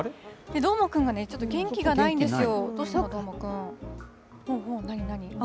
どーもくんがね、ちょっと元気がないんですよ。